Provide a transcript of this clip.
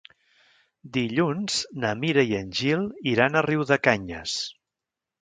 Dilluns na Mira i en Gil iran a Riudecanyes.